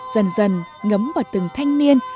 dần dần ngấm vào từng thanh niên